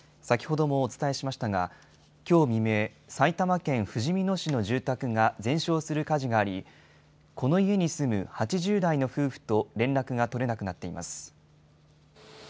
先ほどもお伝えしましたが、きょう未明、埼玉県ふじみ野市の住宅が全焼する火事があり、この家に住む８０代の夫婦と連絡が取れなくなっています。